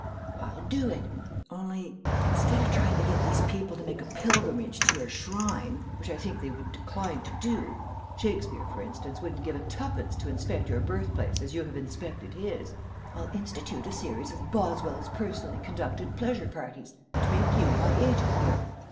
"I'll do it, only instead of trying to get these people to make a pilgrimage to your shrine, which I think they would decline to do Shakespeare, for instance, wouldn't give a tuppence to inspect your birthplace as you have inspected his I'll institute a series of 'Boswell's Personally Conducted Pleasure Parties,' and make you my agent here.